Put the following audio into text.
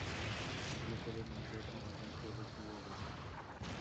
Así lo podemos ver a lo largo de su obra.